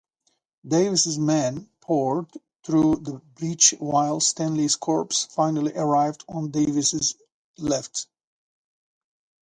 Davis's men poured through the breach while Stanley's corps finally arrived on Davis's left.